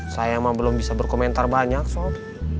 saya emang belum bisa berkomentar banyak soal